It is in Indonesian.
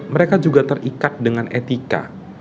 mereka juga terikat dengan etika